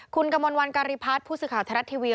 คุณกมลวันการีพัฒน์ผู้สื่อข่าวไทยรัฐทีวี